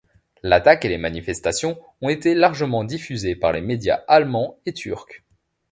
L'attaque et les manifestations ont été largement diffusées par les médias allemands et turcs.